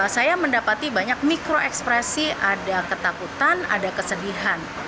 saya mendapati banyak mikro ekspresi ada ketakutan ada kesedihan